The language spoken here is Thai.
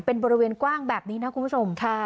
เป็นบริเวณกว้างแบบนี้นะคุณผู้ชม